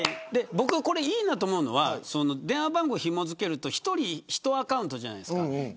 僕、これがいいなと思うのは電話番号をひも付けると１人１アカウントじゃないですか。